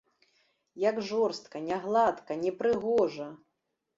Як жорстка, нягладка, непрыгожа!